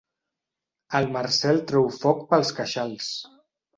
El Marcel treu foc pels queixals.